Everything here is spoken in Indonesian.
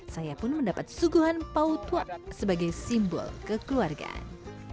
saya pun mendapat suguhan pautwa sebagai simbol kekeluargaan